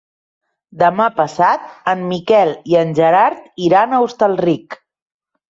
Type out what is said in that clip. Demà passat en Miquel i en Gerard iran a Hostalric.